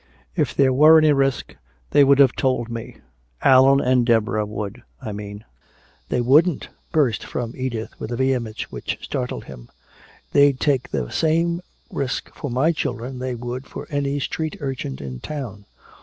"If there were any risk they would have told me Allan and Deborah would, I mean." "They wouldn't!" burst from Edith with a vehemence which startled him. "They'd take the same risk for my children they would for any street urchin in town!